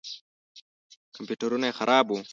کمپیوټرونه یې خراب وو.